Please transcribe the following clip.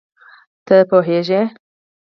ته پوهېږې